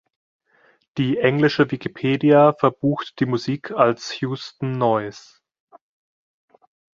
Die englische Wikipedia verbucht die Musik als "Houston Noise".